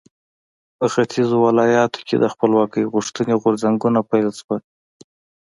په ختیځو ولایاتو کې د خپلواکۍ غوښتنې غورځنګونو پیل شو.